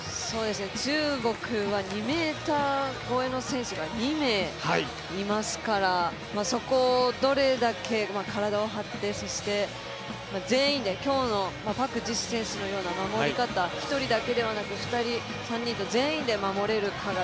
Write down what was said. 中国は２ｍ超えの選手が２名いますからそこをどれだけ体を張ってそして全員で今日のパク・ジス選手のような守り方、１人だけではなくて２人、３人と全員で守れるように。